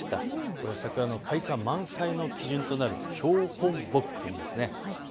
これは桜の開花満開の基準となる標本木というのです。